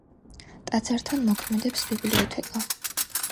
ტაძართან მოქმედებს ბიბლიოთეკა.